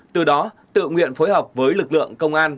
từ đó tự nguyện phối hợp với lực lượng công an